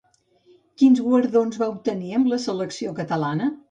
Quins guardons va obtenir amb la selecció catalana?